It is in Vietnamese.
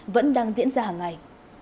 vẫn đang diễn ra hàng ngày